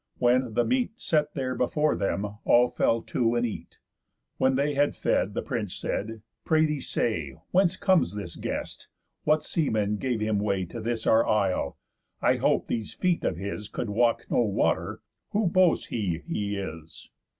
When, the meat Set there before them, all fell to, and eat. When they had fed, the prince said: "Pray thee say, Whence comes this guest? What seaman gave him way To this our isle? I hope these feet of his Could walk no water. Who boasts he he is?"